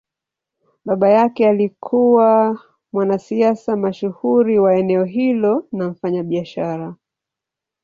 Baba yake alikuwa mwanasiasa mashuhuri wa eneo hilo na mfanyabiashara.